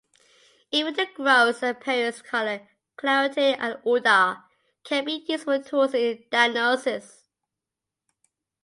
Even the gross appearance, color, clarity and odor can be useful tools in diagnosis.